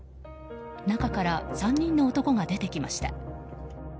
中から３人の男が出てきました。